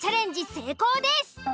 成功です！